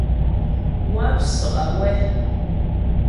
Wáp sɔ' awɛ́.